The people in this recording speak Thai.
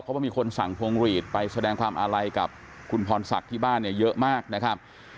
เพราะว่ามีคนสั่งพวงหลีดไปแสดงความอาลัยกับคุณพรศักดิ์ที่บ้านเนี่ยเยอะมากนะครับ